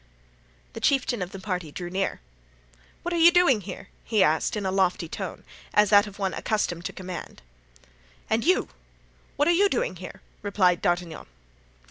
The chieftain of the party drew near. "What are you doing here?" he asked in a lofty tone, as that of one accustomed to command. "And you—what are you doing here?" replied D'Artagnan.